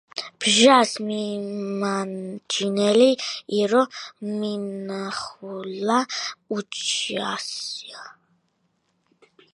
ბჟას მინაჯინენი ირო მინახვილუა უჩასია